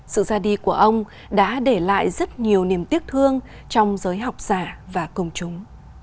sự ra đi của ông đã để lại rất nhiều niềm tiếc thương trong giới học giả và công chúng